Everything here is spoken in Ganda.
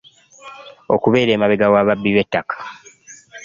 Okubeera emabega w’ababbi b’ettaka.